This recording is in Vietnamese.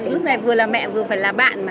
lúc này vừa là mẹ vừa phải là bạn mà